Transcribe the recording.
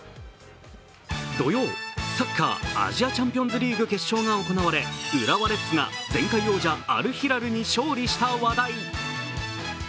土曜、サッカーアジアチャンピオンズリーグ決勝が行われ浦和レッズが前回王者アル・ヒラルに勝利した話題。